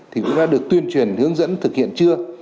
thì chúng ta được tuyên truyền hướng dẫn thực hiện chưa